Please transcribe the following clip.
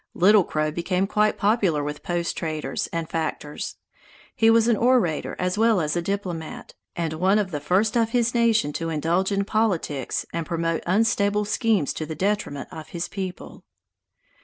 Little Crow became quite popular with post traders and factors. He was an orator as well as a diplomat, and one of the first of his nation to indulge in politics and promote unstable schemes to the detriment of his people.